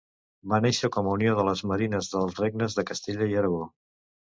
Va néixer com a unió de les marines dels regnes de Castella i d'Aragó.